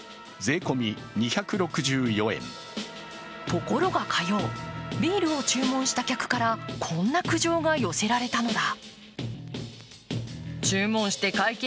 ところが火曜、ビールを注文した客からこんな苦情が寄せられたのだ。